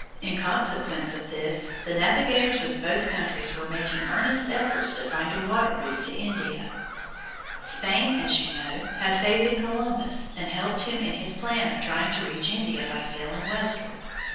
In consequence of this, the navigators of both countries were making earnest efforts to find a water route to India. [Illustration: Vasco da Gama.] Spain, as you know, had faith in Columbus, and helped him in his plan of trying to reach India by sailing westward.